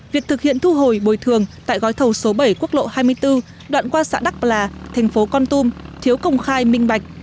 việc thực hiện thu hồi bồi thường tại gói thầu số bảy quốc lộ hai mươi bốn đoạn qua xã đắc là thành phố con tum thiếu công khai minh bạch